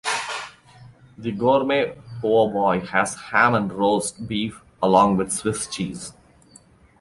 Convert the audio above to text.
The Gourmet Poor Boy has ham and roast beef along with Swiss cheese.